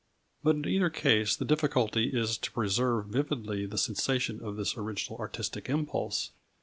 But in either case the difficulty is to preserve vividly the sensation of this original artistic impulse.